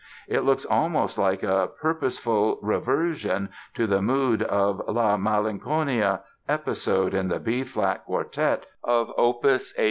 It looks almost like a purposeful reversion to the mood of "La malinconia" episode in the B flat Quartet of opus 18.